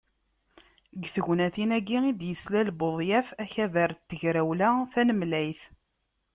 Deg tegnatin-agi i d-yeslal Budyaf Akabar n Tegrawla Tanemlayt.